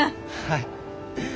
はい。